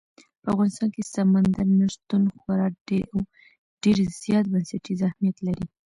په افغانستان کې سمندر نه شتون خورا ډېر او ډېر زیات بنسټیز اهمیت لري.